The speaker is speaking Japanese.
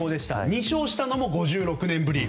２勝したのも５６年ぶり。